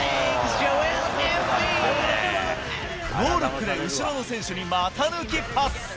ノールックで後ろの選手に股抜きパス。